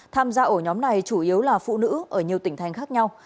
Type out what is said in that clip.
tham gia ổ nhóm này chủ yếu là phụ nữ ở nhiều tỉnh thành khác nhau